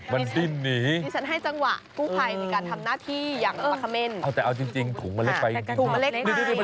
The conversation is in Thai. ผมก็ว่าอยู่มันเล็กไปนะ